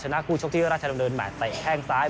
นะคู่ชกที่ราชดำเนินแห่เตะแข้งซ้าย